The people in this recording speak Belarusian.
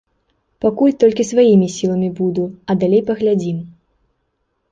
Пакуль толькі сваімі сіламі буду, а далей паглядзім.